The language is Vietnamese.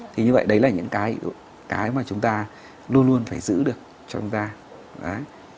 thì như vậy đấy là những cái mà chúng ta luôn luôn phải giữ được cho chúng ta